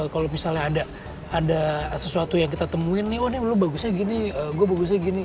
kalau misalnya ada sesuatu yang kita temuin nih oh nih lu bagusnya gini gue bagusnya gini